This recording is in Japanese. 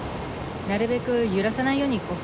なるべく揺らさないように行こう。